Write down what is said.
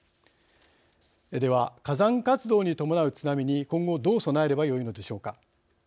では火山活動に伴う津波に今後どう備えればよいのでしょうか。